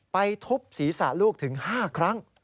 ไปทุบสีสะลูกถึงห้าครั้ง